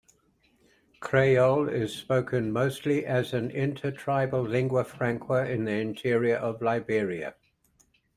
Kreyol is spoken mostly as an intertribal lingua franca in the interior of Liberia.